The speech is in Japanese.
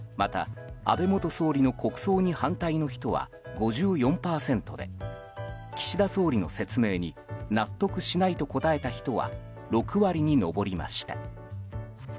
また、安倍元総理の国葬に反対の人は５４％で岸田総理の説明に納得しないと答えた人は６割に上りました。